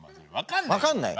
分かんないよ。